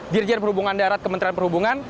dirjen perhubungan darat kementerian perhubungan